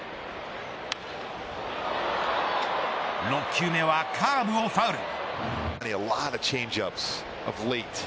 ６球目はカーブをファウル。